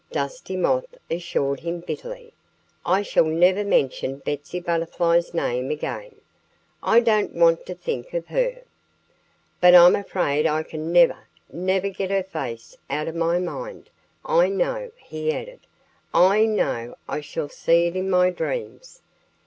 Dusty Moth assured him bitterly. "I shall never mention Betsy Butterfly's name again. I don't want to think of her. But I'm afraid I can never, never get her face out of my mind.... I know " he added "I know I shall see it in my dreams.